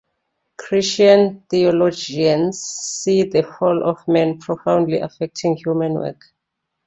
Christian theologians see the Fall of man profoundly affecting human work.